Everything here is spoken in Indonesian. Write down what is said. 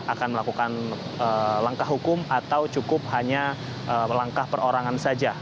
akan melakukan langkah hukum atau cukup hanya langkah perorangan saja